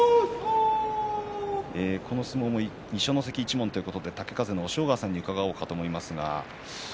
この相撲も二所ノ関一門ということで押尾川さんに伺います。